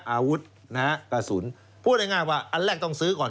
อาวุธนะฮะกระสุนพูดง่ายว่าอันแรกต้องซื้อก่อน